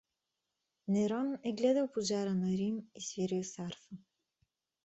— Нерон е гледал пожара на Рим и свирил с арфа!